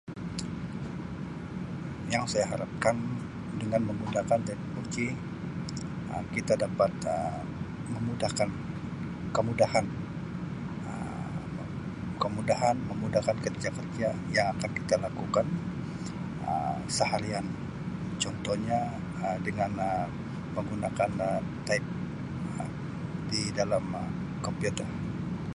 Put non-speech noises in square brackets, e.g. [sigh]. [noise] Yang saya harapkan dengan menggunakan teknologi Um kita dapat Um memudahkan kemudahan Um kemudahan memudahkan kerja-kerja yang akan kita lakukan Um seharian. Contohnya Um dengan Um menggunakan Um taip Um di dalam Um komputer.